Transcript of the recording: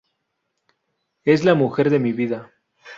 Es la mujer de mi vida.